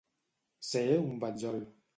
Ser un betzol.